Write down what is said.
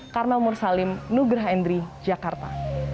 karma umur salim nugraha endri jakarta